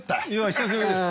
久しぶりです。